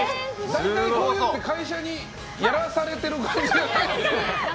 大体こういうのって会社にやらされてる。